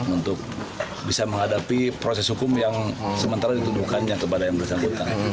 untuk bisa menghadapi proses hukum yang sementara dituduhkannya kepada yang bersangkutan